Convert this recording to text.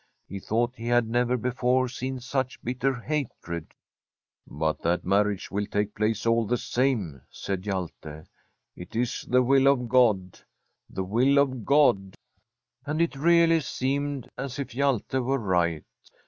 He thought he had never before seen such bitter hatred. ' But that marriage will take place all the same/ said Hjalte. ' It is the will of God — ^the will of God.' And it really seemed as if Hjalte were right.